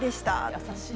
優しい。